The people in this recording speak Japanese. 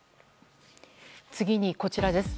次に、こちらです。